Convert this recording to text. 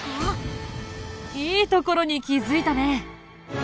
いいところに気づいたね！